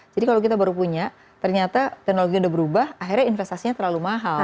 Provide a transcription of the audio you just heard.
jadi kalau kita baru punya ternyata teknologi sudah berubah akhirnya investasinya terlalu mahal